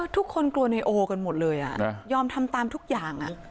ทุกคนกลัวในโอกันหมดเลยยอมทำตามทุกอย่าง